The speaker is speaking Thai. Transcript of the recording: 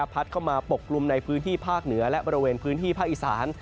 เข้ามาปกกลุ่มในพื้นที่ภาคเหนือและบริเวณพื้นที่ภาคอีสาน